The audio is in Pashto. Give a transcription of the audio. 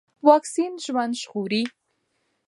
واکسين ژوند ژغوري.